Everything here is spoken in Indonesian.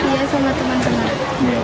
iya sama teman teman